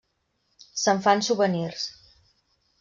Se'n fan souvenirs.